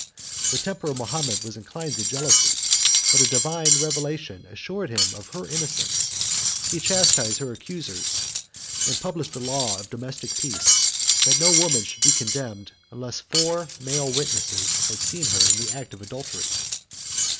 The temper of Mahomet was inclined to jealousy; but a divine revelation assured him of her innocence: he chastised her accusers, and published a law of domestic peace, that no woman should be condemned unless four male witnesses had seen her in the act of adultery.